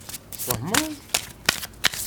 Tfehmeḍ?